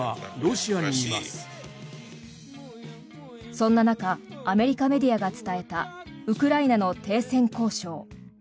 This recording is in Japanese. そんな中アメリカメディアが伝えたウクライナの停戦交渉。